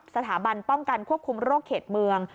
สถาบันป้องกันควบคุมโรคเขตเมือง